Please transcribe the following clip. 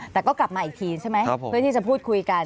แต่ก็กลับมาอีกทีใช่ไหมเพื่อที่จะพูดคุยกัน